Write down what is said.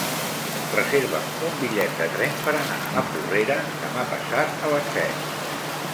Reserva'm un bitllet de tren per anar a Porrera demà passat a les set.